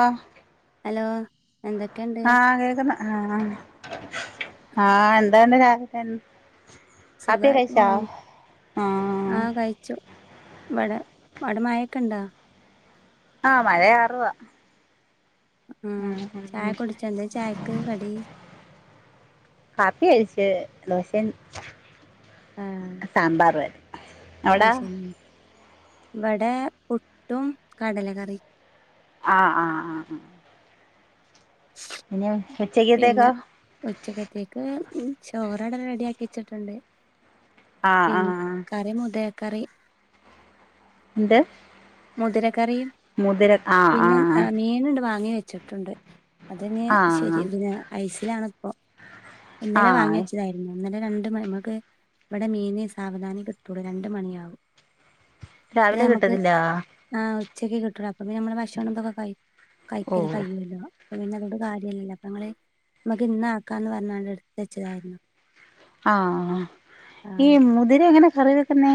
ആഹ് hello എന്തൊക്കെയൊണ്ട് ആഹ് കേക്കുന്നു ആഹ് ആഹ് എന്തുണ്ട് രാവിലെ തന്നെ സുഖായിട്ട് പോന്നു ആഹ് കഴിച്ചു ഇവിടെ ആടെ മഴൊക്കെ ഉണ്ട ആഹ് മഴ ചാറുവാ ഉം ചായ ഉം കുടിച്ചോ എന്താ ചായക്ക് കടി കാപ്പി കഴിച്ച് ദോശയും ആഹ് സാമ്പാറും ആരുന്നു അത് ശെരി ഇവിടെ പുട്ടും കടല കറി ആഹ് ആഹ് ആഹ് പിന്നേ ഉച്ചക്കത്തേക്കൊ പിന്നെ ഉച്ചക്കത്തേക്ക് ഉം ചോറവിടെ റെഡിയാക്കി വെച്ചിട്ടുണ്ട് ആഹ് പിൻ ആഹ് കറി മുതിരക്കറി എന്ത് മുതിരക്കറീ മുതിര ആഹ് പിന്നെ ആഹ് മീനുണ്ട് വാങ്ങി വെച്ചിട്ടുണ്ട് അത് ഞ്ഞ് ആഹ് ശരി പിന്നെ ഐസിലാണ് ഇപ്പൊ ഇന്നലെ വാങ്ങി ആഹ് വെച്ചതായി ഇന്നലെ രണ്ടു മ മ്മക്ക് ഇവിടെ മീന് സാവധാനെ കിട്ടുള്ളൂ രണ്ടു മണിയാവും പിന്നെ ഞമ്മക്ക് ആഹ് ആഹ് ഉച്ചക്ക് കിട്ടുള്ളൂ അപ്പൊപിന്നെ മ്മള് ഭക്ഷണം ഇതൊക്കെ കഴി കൈയ്ക്കല് ഓഹ് കഴിയൊല്ലോ അപ്പൊ പിന്നെ അതോണ്ട് കാര്യം ഇല്ലല്ലോ അപ്പൊ ങ്ങള് മ്മക്ക് ഇന്ന് ആക്കാന്ന് പറഞ്ഞാണ്ട് എടുത്ത് വെച്ചതായിരുന്നു ആഹ് ആ ഈ മുതിര എങ്ങനെ കറി വെക്കുന്നേ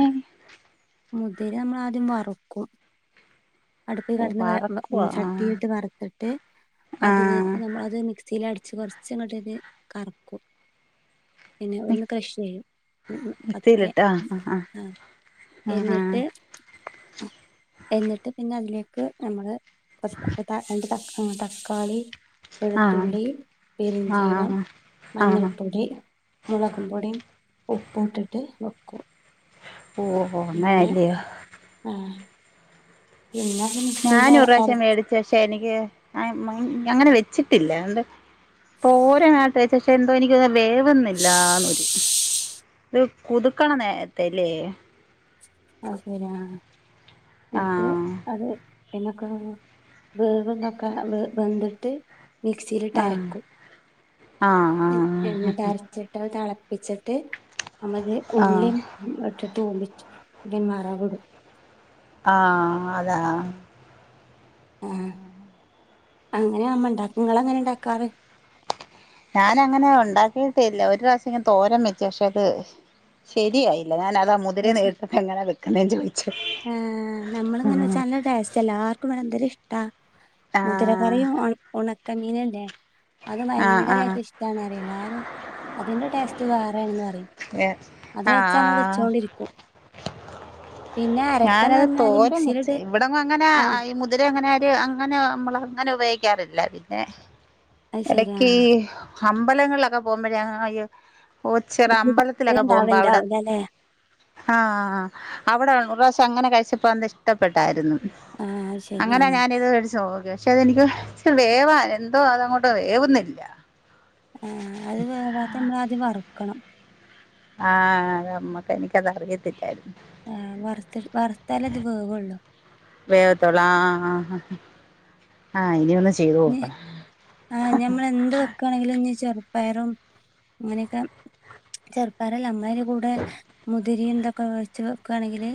മുതിര മ്മളാദ്യം വറുക്കും അടുപ്പി ഓഹ് കെടന്ന് വെ വറക്കുവാ വ ആഹ് ചട്ടീയിട്ട് വറുത്തിട്ട് അതിലേക്ക് ആഹ് നമ്മളത് മിക്സ് മിക്സ്സില് അടിച്ച് കൊറച്ചങ്ങോട്ടേക്ക് കറക്കും പിന്നെ ഒന്ന് ക്രഷ് ചെയ്യും പതുക്കെ മിക്സിയിലിട്ട് ആഹ് ആഹ് ആഹ് എന്നിട്ട് എന്നിട്ട് പിന്നെ അതിലേക്ക് നമ്മള് [unintelligible] തക്കാളി ആഹ് വെളുത്തുള്ളി പെരുഞ്ചീരം ആഹ് ആഹ് മഞ്ഞൾപ്പൊടി മൊളകും പൊടീം, ഉപ്പും ഇട്ടിട്ട് വെക്കും ഓ പിന്നെ ആഹ് പിന്നെ അത് മിക്സിൽ അര ഞാനൊറാവശ്യം മേടി പക്ഷെ എനിക്ക് അങ്ങനെ വെച്ചിട്ടില്ല [unintelligible] പക്ഷെ എന്തോ എനിക്ക് എന്തോ വേവുന്നില്ലാന്നൊരു ത് കുതുക്കണം നേര്ത്തേല്ലെ [unintelligible] ന്നട്ട് ആഹ് അത് പിന്നൊക്കെ വേവ്തൊക്കെ വെന്ത്‌ട്ട് മിക്സിലിട്ട് ആഹ് അരക്കും ആഹ് ആഹ് എന്നിട്ട് അര ച്ചിട്ട് തെളപ്പിച്ചിട്ട് നമ്മളത് ആഹ് ഉള്ളീം ഇട്ടിട്ട് തൂമിച്ച് [unintelligible] ആഹ് അതാ ആഹ് അങ്ങനെ ആമ്മണ്ടാക്കും ഇങ്ങള് എങ്ങനെ ഇണ്ടാക്കാറ്? ഞാനങ്ങനെ ഉണ്ടാക്കിട്ടില്ല ഒരു റാവശ്യം ഇങ്ങനെ തോരൻ വെച്ച് പക്ഷെ അത് ശെരിയായില്ല ഞാനതാ മുതിരേന്ന് ദേശി എട്തപ്പൊ എങ്ങനെ വെക്കുന്നേ ചോയി ഏഹ് നമ്മളിങ്ങനെ വെച്ചാ നല്ല ടേസ്റ്റ എല്ലാർക്കും ബടെ എന്തൊര് ട്ട ആഹ് മുതിരകറിയും, ഉണക്കമീന്ല്ലേ അത് ആഹ് ആഹ് ഭയങ്കരയിട്ട് ഇഷ് ട്ടാന്നറിം എല്ലാരും അതിന്റെ ടേസ്റ്റ് വേറെണ് പറിം അത് ആ ആ വെച്ച നമ്മള് വെച്ചോണ്ടിരിക്കും പിന്നെ അരക്കാന്ന് ഞാനത് പറഞ്ഞാല് തോരം വെച്ച് മിക്സിയിലിട്ട് ഇവടന്നും അങ്ങനെ ആഹ് മു തിലെ അങ്ങനെ ആര് അങ്ങനെ നമ്മള് അങ്ങനെ ഉപയോഗിക്കാറില്ല പിന്നെ അത് ശരി എടക്ക് ആഹ് അമ്പലങ്ങളിലൊക്കെ പോകുമ്പയെ ഓ ചെറ അമ്പലത്തിലൊക്കെ പോകുമ്പോ അവിടെ ഉണ്ടാവലുണ്ടാവില്ലല്ലേ ആഹ് അവിടെ ഒരു പ്രാവശ്യം അങ്ങനെ കഴിച്ചപ്പോ ഇഷ്ട്ടപ്പെട്ടായിരുന്നു ആഹ് അത് ശരി അങ്ങനെ ആഹ് ഞാനിത് മേടിച്ച് [unintelligible] പക്ഷെ അതെനിക്ക് ഇച്ചിരി വേവ എന്തോ അതങ്ങോട്ട് വേവുന്നില്ല ഏഹ് അത് വേവാത്തന്താ അത് വറുക്കണം ആഹ് ഞമ്മക്ക് എനിക്കത് അറിയത്തില്ലായിരുന്നു. ഏഹ് വർ വർത്താലെ അത് വെവോള്ളൂ വേവത്തോള്ളൂ ആഹ് ആഹ് ആഹ് ഇനിയൊന്ന് ചെയ്ത് ഇനി നോക്കണം ആഹ് നമ്മളെന്ത് വെക്കണെങ്കിലും ഇഞ് ചെർപയറും അങ്ങനെക്കെ ചെർപയറല്ല നമ്മളയ്ന് കൂടെ മുതിരീംതൊക്കെ വെട്ച്ച് വെക്കാണെങ്കില്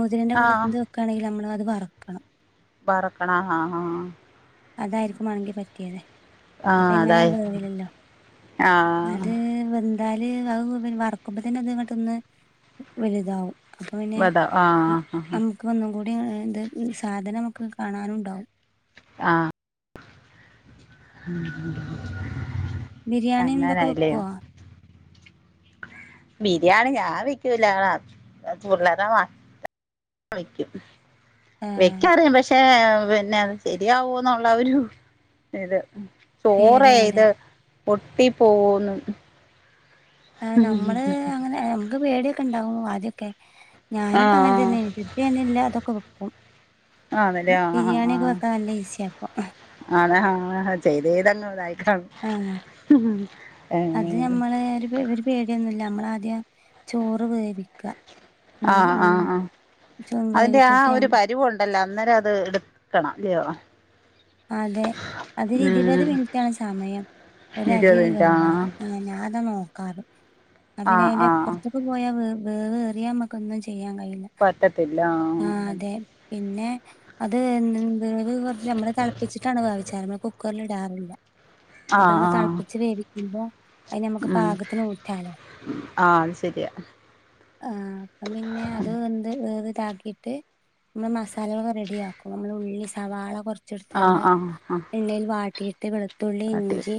മുതിരന്റെ ആ കൂടെ ക്കാണെങ്കില് നമ്മളത് വർക്കണം വറ്ക്കണം ആഹ് ആഹ് ആഹ് അതായിരിക്കും മാണെങ്കി പറ്റിയത് അപ്പ ആഹ് എങ്ങനെയാലും അതായി വേവ്ലല്ലോ ആഹ് അത് വെ വെന്താല് വറ്ക്കുമ്പോ തന്നെ അത് ഒന്ന് ഇങ്ങട്ടൊന്ന് വെല്താകും അപ്പ പിന്നെ വത ആഹ് നമ്മക്ക് ഒന്നും കൂടി എന്ത് സാധനം നമുക്ക് കാണാനും ഇണ്ടാവും ആഹ് [unintelligible] ബിരിയാണിതൊക്കെ വെക്കോ? അങ്ങനായില്ലയോ ബിരിയാണി ഞാൻ വെക്കൂല പുള്ളാരെ [unintelligible] വെക്കും ഏ വെക്കാറിം പക്ഷേ പിന്നെ ശരിയാവോന്നുള്ള ഒരു ഇത് പേടിയാണല്ലേ ചോറേത്. ഒട്ടി പോവോന്നു. ആഹ് നമ്മള് അങ്ങനെ നമുക്ക് പേടിയൊക്കെ ഉണ്ടാവു ആദ്യൊക്കെ ഞാനിപ്പോ അങ്ങനെ ആഹ് തന്നെ. ഇപ്പ ഞാന് എല്ലാതൊക്കെ വെക്കും. ആണല്ലേ ആഹ് ആഹ് ബിരിയാണിയൊക്കെ ആഹ്. വെക്കാൻ നല്ല ഈസിയാ ഇപ്പൊ ആണ് ആഹ് ചെയ്ത് ചെയ്ത് അങ്ങ് ഇതായിക്കണും ആഹ് അത് നമ്മളെ ഒരുപെ ഒരു പേടിയൊന്നുല്ല നമ്മളാദ്യം ചോറ് വേവിക്ക. നെയ് ആഹ് ഉം ആഹ് ആഹ് ചോ അതിന്റെ ആ വേവിച്ചിട്ട് ഒരു ഞം പരിവൊ ണ്ടല്ല അന്നേരം അത് എടുക്കണം ഇല്ലയോ. അതെ അത് ഇരുപത് ഉം മിനിറ്റാണ് സമയം. ഒരരി ഇരുപത് മിനിറ്റാ വേവൻ ആഹ് ഞാത നോക്കാറ്. ആ പിന്നെ അയിന്റെ അപ്പുറത്തേക്ക് പോയാ വേവേറിയ നമ്മുക്കൊന്നും ചെയ്യാൻ കയില്ല. പറ്റത്തില്ല ആഹ് അതെ പിന്നെ. അത് എ എന്ത് അത് കുറച്ച് നമ്മള് തിളപ്പിച്ചിട്ടാണ് വാവിച്ചറ് മ്മള് കുക്കറിൽ ഇടാറില്ല. ആ അപ്പ നമ്മള് ആ തളപ്പിച്ച് വേവിക്കുമ്പോ. അത് നമക്ക് ഉം പാകത്തിന് ഊറ്റാലോ. ആ അത് ശരിയാ ആഹ് അപ്പം പിന്നെ അത്. ഇത് ഇതാക്കിയിട്ട് നമ്മള് മസാലൊക്കെ റെഡിയക്കും നമ്മൾ ഉള്ളി സവാള കുറച്ച് ണ്ട്ത് ആ നമ്മള് ആ ആ എണ്ണയിൽ വ ട്ടിയിട്ട് വെളുത്തുള്ളി, കാട്ടി ഇഞ്ചി,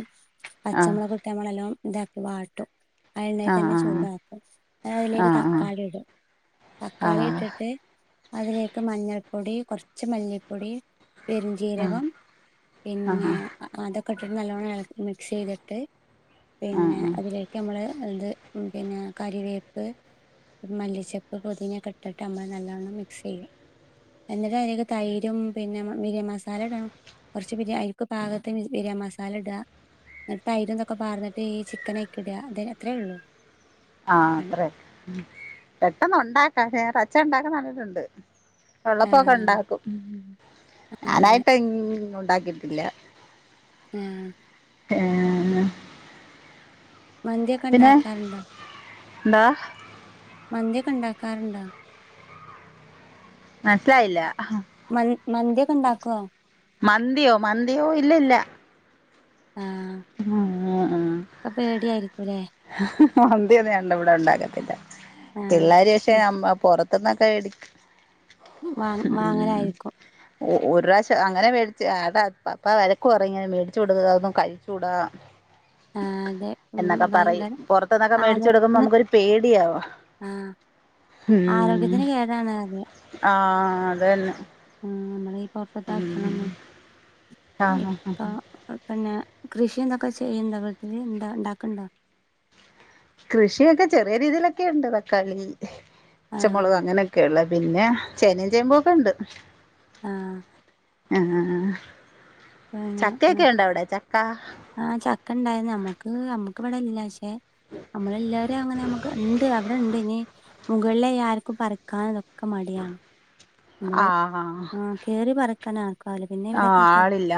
ആ പച്ചമുളക്, ഇട്ട് നമ്മളെല്ലാം ഇതാക്കി വാട്ടും. ആ എണ്ണയിൽ തന്നെ ചൂടാക്കും ആ ആ ആ അതിലേക്ക് ആ തക്കാളി ഇടും. തക്കാളി ഇട്ടിട്ട് അതിലേക്ക് മഞ്ഞൾപ്പൊടി, കുറച്ച് മല്ലിപ്പൊടി, പെരി ജീരകം, ആ ആ പിന്നെ ആ അതൊക്കെ ഇട്ടിട്ട് നല്ലവണ്ണം ഇളക്കി മിക്സ് ചെയ്തിട്ട് പിന്നെ അതിലേക്ക് നമ്മള് ഇത് പിന്നെ കറിവേപ്പ് മല്ലിച്ചെപ്പ്, പുതിനൊക്കെ ഇട്ടിട്ട് നമ്മൾ നല്ലോണ്ണം മിക്സ് ചെയ്യും എന്നിട്ട് അയിലെക്ക് തൈരും പിന്നെ പിരിയംമസ മസാല ഇടാണം കുറച്ച് പിരിയം അയിലേക്ക് പാകത്തിന് പിരിയം മസാല ഇടാ എന്നിട്ട് തൈരൊന്നൊക്കെ പാറഞ്ഞിട്ട് ഈ ചിക്കനോക്കിട അതെ അത്രേ ഉള്ളൂ ആഹ് പണി അത്രേ ഉം പെട്ടെന്ന് ഉണ്ടാക്കാ വേറെ അച്ഛ ഉണ്ടാക്കാന്ന കണ്ടിട്ടുണ്ട് ആ ഉള്ളപ്പൊക്കെ ഉണ്ടാക്കും ഉം ഉം ആ, അതെ ഞാനായിട്ട് ഇന് ഉണ്ടാക്കിട്ടില്ല ആഹ് മന്തിയൊക്കെ പിന്നെ ഉണ്ടാക്കാറുണ്ടോ എന്താ മന്തിയൊക്കെ ഉണ്ടാക്കാറുണ്ടോ മനസ്സിലായില്ല മ മന്തിയൊക്കെ ഉണ്ടാക്കുവോ മന്തിയോ മന്തിയോ ഇല്ലില്ല ആഹ് [unintelligible] ആഹ് ആഹ് അപ്പ പേടിയാരിക്കുല്ലേ മന്തിയൊന്നും വേണ്ട ഇവിടെ ഉണ്ടാക്കത്തില്ല ആ പിള്ളേര് പക്ഷെ ഞമ്മ പുറ ത്തുന്നൊക്കെ വേടി വാ ഉം വാങ്ങലായിരിക്കും ഓ ഒരു പ്രാവശ്യം അങ്ങനെ വേടിച്ച് അ പപ്പ പപ്പ വഴക്ക് പറയും ഇങ്ങനെ മേടിച്ചു കൊടുക്കുന്ന അതൊന്നും കഴിച്ചുടാ ആഹ് അതെ ഉം പറയും ഭയങ്കര പൊറത്തൂന്നൊക്കെ മേടിച്ചു കൊടുക്കുമ്പൊ നമുക്കൊരു പേടിയാവാ ആഹ് ഉം ആരോഗ്യത്തിന് കേടാണ് അത് ആഹ് അതെന്ന ആഹ് നമ്മള് ഈ പൊറത്തെത്തഭ ക്ഷണോന്നും ആഹ് ഇപ്പ ആഹ് പിന്നെ കൃഷിന്തൊക്കെ ചെയ്യണ്ടോ വീട്ടില് ഇണ്ട ഇണ്ടാക്ക്ണ്ട? കൃഷിയൊക്കെ ചെറിയ രീതിയിലൊക്കെണ്ട് തക്കാളി ആഹ് പച്ചമുളക് അങ്ങനെക്കെയുള്ളത് പിന്നെ ചേനേം ചേമ്പു ഒക്കെ ഉണ്ട് ആഹ് ആഹ് ആഹ് ആഹ് പിന്ന ചക്ക ആഹ് ചക്കണ്ടായിന്നു നമ്മക്ക് നമ്മ മക്ക്ബടെല്ല പക്ഷെ നമ്മളെ എല്ലാരേം അങ്ങനെ നമുക്ക് ഉണ്ട് അവിടെ ഉണ്ട് ഇനി മുകളിലെ യാർക്കും പറക്കാൻ ഒക്ക മടിയാണ് നമ്മള് ആഹ് കേറി പറ ക്കാന ആക്കല്ല പിന്നെ ആഹ് ഇവിടെക്കെ ച ആളില്ല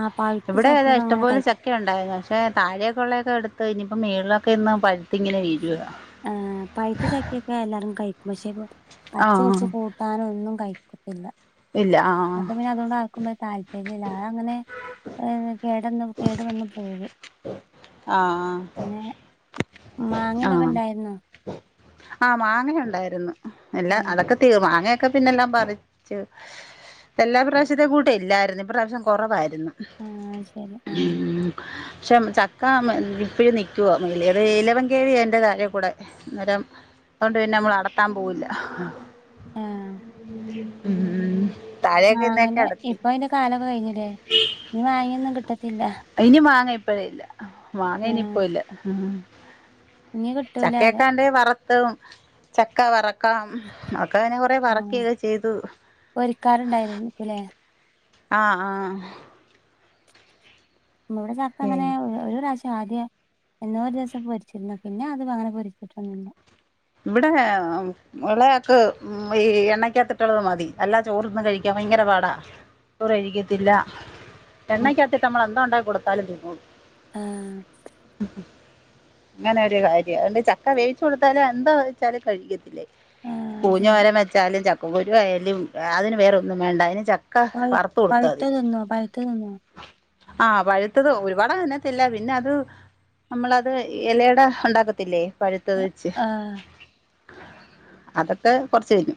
ആഹ് പഴുത്ത ചക്കയൊന്നും അങ്ങനെ കഴിക്കാ ക്കെ ഉണ്ടായിരുന്നു പക്ഷെ താഴേക്കൊള്ളേക്കെ എടുത്ത് ഇനിയിപ്പം മേളിലൊക്കെ ഇന്ന് പഴുത്ത് ഇങ്ങനെ വീഴുക ആഹ് പഴുത്ത ചക്കയൊക്കെ എല്ലാരും കഴിക്കും പക്ഷെപ്പ പച്ച ആഹ് വച്ച് കൂട്ടാന് ഒന്നും കഴിക്കി ല്ല ഇല്ല ആഹ് അപ്പൊ പിന്നെ അതുകൊണ്ട് ആർക്കുപ്പ താല്പര്യല്ല അതങ്ങനെ അത് കേടന്ന് കേടു വന്നു പോകും ആഹ് പിന്നെ ആഹ് മാങ്ങതൊക്കെ ആഹ് ഉണ്ടായിരുന്നോ ആഹ് മാങ്ങേ ഒണ്ടായിരുന്നു എല്ലാം ആഹ് അതൊക്ക തീർന്ന് മാങ്ങയൊക്കെ പിന്നെല്ലാം പറിച്ച് എല്ലാ പ്രാവശ്യത്തെ കൂട്ടം ഇല്ലായിരുന്നു ഇപ്രാവശ്യം കൊറവായിരുന്നു ആഹ് ശരി ആഹ് മ്... പക്ഷെ ചക്ക ഇപ്പഴും നിക്കുവ മെലേ അത് ഇലവൻ കേവിയ അയിന്റെ തലേ കൂടെ അന്നേരം അതോണ്ട് പിന്നെ നമ്മൾ അടത്താൻ പോവില്ല ആഹ് ഉം താഴെയൊക്കെ ഇന്നേക്കെ മാങ്ങന്നെ അടത്തി ഇപ്പ അതിന്റെ കാലോ ക്കെ കഴിഞ്ഞല്ലേ ഇനി മാങ്ങേന്നും കിട്ടത്തില്ല ഇനി മാങ്ങ ഇപ്പഴില്ല മാങ്ങ ആഹ് ഇനിയിപ്പൊ ഇല്ല ഇനി കിട്ടൂല പറയാ ചക്കേക്കണ്ടെ വറ് ത്തും ചക്ക വറക്കാം ഒക്ക അങ്ങ നെകൊറേ വറക്കേക്ക ചെയ്തു പൊരിക്കാറുണ്ടായിരുന്നു നിക്കൂലേ ആഹ് ആഹ് ആഹ് നമ്മളിവിടെ ചക്ക അങ്ങനെഒര് ഒരു പ്രാവശ്യം ആദ്യ എന്നോരൂസം പൊരിച്ചിരുന്ന്‌ പിന്നെ അത് അങ്ങനെ പൊരിച്ചിട്ടൊന്നുമില്ല ഇവിടെ എളയാക്ക് ഈ എണ്ണയ്ക്കത്തിട്ടുള്ളത് മതി അല്ലാതെ ചോറിന്ന് കഴിക്കാൻ ഭയങ്കര പാടാ ചോറ് കഴിക്കത്തില്ല എണ്ണക്കാത്തിട്ട് നമ്മള് എന്താ ഒ ണ്ടാക്കി കൊടുത്താലും തിന്നോളും ആഹ് അങ്ങനെ ഒരു കാര്യം അതൊണ്ട് ചക്ക വേവിച്ച് കൊടുത്താലും എന്താ വെച്ചാലും കഴിക്കത്തില്ലേ ആഹ് പൂഞ്ഞ് ശരി തോരൻ വെച്ചാലും ചക്ക ക്കുരുആയാലും അതിന് വേറൊ ന്നും വേണ്ട അതിന് ച ക്ക പഴു വറ്ത്ത് കൊടുത്താ മതി പഴുത്തത് തിന്നോ പഴുത്തത് തിന്നോ ആഹ് പഴുത്തത് ഒരുപാട് അനത്തില്ല പിന്നെ അത് അമ്മളത് എലയട ഉണ്ടാക്കത്തില്ലേ പഴുത്തത് വെച്ച് ആഹ് അതൊക്കെ കൊർച്ച് കയിഞ്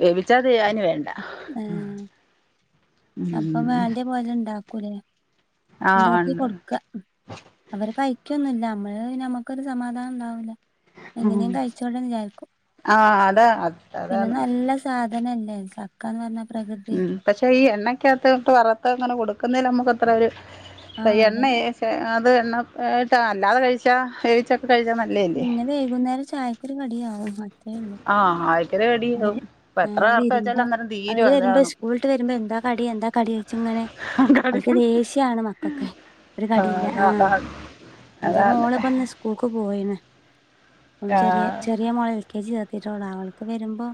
വേവിച്ചത് അവന് വേണ്ട ഏ അപ്പം ഉം വേണ്ടിയ പോല ഇണ്ടാക്കൂലേ ആ ഇണ്ടാക്കി ഉണ്ട് കൊട്ക്ക അവര് കഴിക്കൊന്നുല്ല നമ്മള് ഞമ്മക്കൊരു സമാധാനം ഇണ്ടാവൂല എങ്ങനേം കഴിചോട്ടെന്ന് വിജാര്ക്കും ആ അതാ പിന്നെ അതാണ് നല്ല സാധനല്ലേ ചക്കാന്ന് പർഞ്ഞാ പ്രകൃതി ഉം പക്ഷെ ഈ എണ്ണക്കകത്ത് ഇട്ട് വറത്ത് അങ്ങനെ കൊടുക്കുന്നെല് നമുക്ക് അത്ര ഒര് ആഹ് എണ്ണ അതെ അത് എണ്ണ ഇട്ടാ അല്ലാതെ കഴിച്ചാ നേരിച്ചൊക്ക കഴിച്ചാ നല്ലേല്ലേ ത് വൈകുന്നേരം ചായക്കരു കടിയാവും അത്രേ ഒള്ളൂ ആ ആയി അവര് ആ വരുമ്പോ അന്നേരം അവര് തീരും വരുമ്പ അതാണ് സ്കൂൾട്ട് വരുമ്പ എന്താ കടി എന്താ കടി ഓയ്ച് ഇങ്ങനെ കടി ഓൽക്ക് ദേഷ്യാണ് മക്കൊക്കെ ഒര് കടിഇല്ല അതാ ആ അതാണ് ഇന്റെ അതാണ് മോള് പ്പന്ന് സ് സ്കൂൾക്ക് പോയിണ് അപ്പം ചെറിയ ആഹ് ചെറിയ മോളെ എൽ കെ ജി ചേർത്തിട്ടോള്ളൂ അവൾക്ക് വരു മ്പം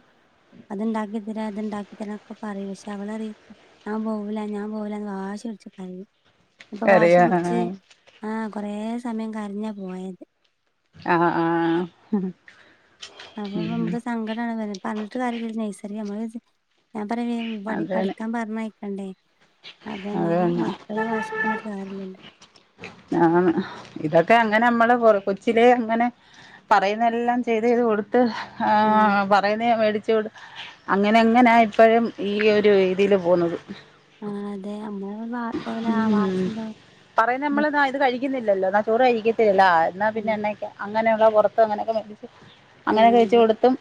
അത് ഇണ്ടാക്കി തരാ ഇത് ഇണ്ടാക്കി തരാന്നോക്ക പറയും പക്ഷെ അവളറിം ഞാൻ പോവൂല ഞാൻ പോവൂല ന്ന് വാശി പിട്ച്ച് കരയും കരയാ ആ ആ കൊറെ സമയം കര്ഞ്ഞാ പോയത് ആ ആ അപ്പം നമുക്ക് സങ്കടാണ് പർഞ്ഞിട്ട് കാര്യാല്ലല്ലോ നഴ്സറി നമ്മള് ഞാൻ പറവേം പടി അതന്നെ പഠിക്കാം പർഞ്ഞയിക്കണ്ടേ അപ്പം അതന്നെ മക്കള വാശിക്ക്ന്ന്ട്ട് കാര്യല്ലല്ലോ ആ ഇതൊക്കെ അങ്ങനെ നമ്മള് ർ കൊച്ചിലെ അങ്ങനെ പറയുന്നെല്ലാം ചെയ്ത് ചെയ്ത് കൊട്ത്ത് ആ ആഹ് പറയുന്നെ മേടിച് കൊട് അങ്ങനെ അങ്ങനെ ഇപ്പഴും ഈ ഒരു രീതീല് പോവുന്നത് ആ അതെ അമ്മള് വാ ഓലെ ആ ഉം വാഷീല് എന്ത പറയുന്ന നമ്മള് ന്നാ ഇത് കഴിക്കുന്നില്ലല്ലോ ന്നാ ചോറ് കഴിക്കത്തില്ലല്ലോ ആ ന്നാ പിന്നെ ആഹ് എണ്ണയെക്കെ അങ്ങനെയുള്ള പൊറത്ത് അങ്ങനെയൊക്കെ അങ്ങനെയൊക്കെ വെച് അത് കൊടുത്തും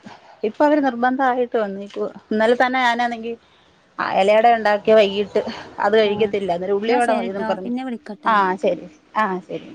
ഇപ്പ അവര് നിർബന്ധ ആയിട്ട് വന്നേക്കുവാ ഇന്നൽ തന്നെ ഞാന് ഈ അ എലയടെ ഇണ്ടാക്കി വൈകിട്ട് അത് ആഹ് കഴിക്കത്തില്ല അന്നേരം എന്നാ ഉള്ളിവട മതീന്നും ശരിട്ടോ പറഞ്ഞു പിന്നെ വിളിക്കട്ടോ ആ ശരി ആ ശരി